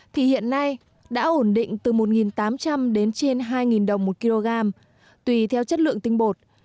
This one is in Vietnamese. thì hiện nay đã ổn định từ một tám trăm linh đến trên hai đồng một kg tùy theo chất lượng tinh bột